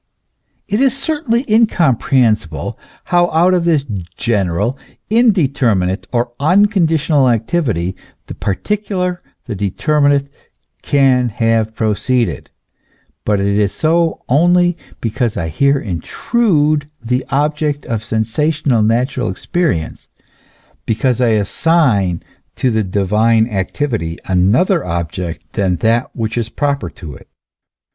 It is certainly incomprehensible how out of this general, indeterminate or unconditioned activity the particular, the determinate, can have proceeded; but it is so only because I here intrude the object of sensational, natural experience, because I assign to the divine activity another object than that which is proper to it.